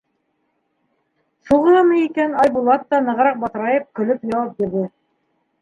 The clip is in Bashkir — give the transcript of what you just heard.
Шуғамы икән, Айбулат та, нығыраҡ батырайып, көлөп яуап бирҙе: